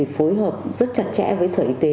phối hợp rất chặt chẽ với sở y tế